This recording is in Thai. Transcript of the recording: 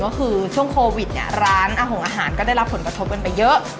ก็คือช่วงโควิดเนี่ยร้านอาหารก็ได้รับผลกระทบกันไปเยอะ